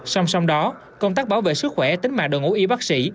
xong xong đó công tác bảo vệ sức khỏe tính mạng đội ngũ y bác sĩ